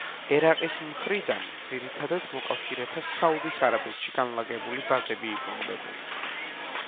ერაყის მხრიდან ძირითადად მოკავშირეთა საუდის არაბეთში განლაგებული ბაზები იბომბებოდა.